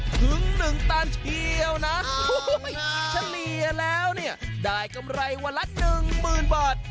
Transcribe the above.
ถึงหนึ่งตันเทียวนะเฉลี่ยแล้วเนี่ยได้กำไรวันละหนึ่งหมื่นบาท